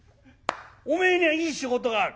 おめえにはいい仕事がある。